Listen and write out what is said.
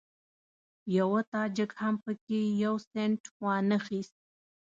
یوه تاجک هم په کې یو سینټ وانخیست.